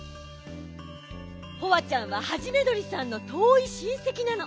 ホワちゃんはハジメどりさんのとおいしんせきなの。